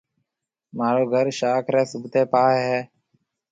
مهارو گهر شاخ ريَ سوڀتي پاهيََ هيَ۔